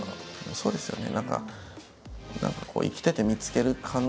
そうですよね。